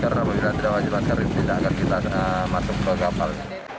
karena apabila tidak wajib masker tidak akan kita masuk ke kapal